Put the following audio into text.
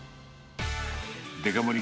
デカ盛り